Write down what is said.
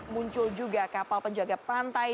muncul juga kapal penjaga pantai